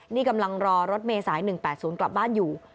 นี่กำลังรอรถเมษาย๑๘๐กลับบ้านอยู่